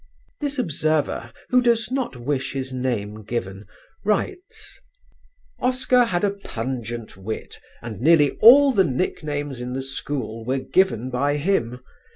This observer who does not wish his name given, writes: "Oscar had a pungent wit, and nearly all the nicknames in the school were given by him.